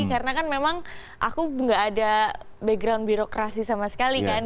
karena kan memang aku gak ada background birokrasi sama sekali kan